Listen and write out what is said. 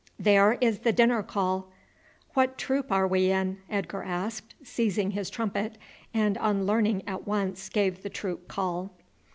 "There is the dinner call." "What troop are we in?" Edgar asked, seizing his trumpet, and on learning at once gave the troop call.